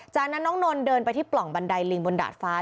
จากนั้นน้องนนท์เดินไปที่ปล่องบันไดลิงบนดาดฟ้า